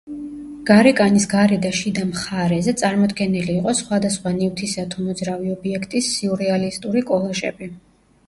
გარეკანის გარე და შიდა მხარეზე წარმოდგენილი იყო სხვადასხვა ნივთისა თუ მოძრავი ობიექტის სიურეალისტური კოლაჟები.